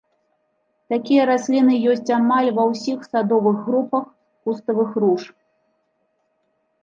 Такія расліны ёсць амаль ва ўсіх садовых групах куставых руж.